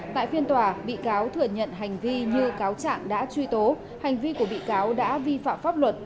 tại phiên tòa bị cáo thừa nhận hành vi như cáo trạng đã truy tố hành vi của bị cáo đã vi phạm pháp luật